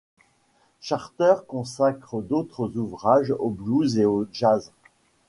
Charters consacre d'autres ouvrages au blues et au jazz.